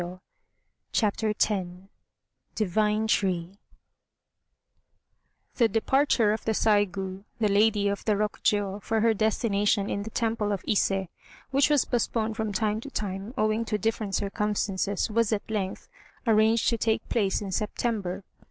] CHAPTER X DIVINE TREE The departure of the Saigû, the daughter of the Lady of Rokjiô, for her destination in the Temple of Ise, which was postponed from time to time, owing to different circumstances, was at length arranged to take place in September.